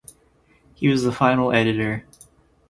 He was the final editor.